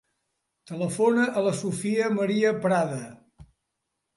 Telefona a la Sofia maria Prada.